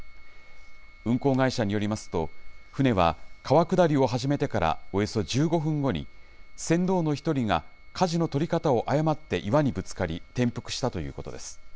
運航会社によりますと、舟は川下りを始めてからおよそ１５分後に、船頭の１人がかじの取り方を誤って岩にぶつかり、転覆したということです。